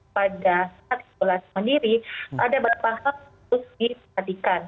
pada saat isolasi mandiri ada beberapa hal yang harus diperhatikan